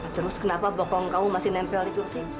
terus kenapa bokong kamu masih nempel di kursi